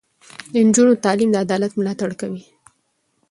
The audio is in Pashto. د نجونو تعلیم د عدالت ملاتړ کوي.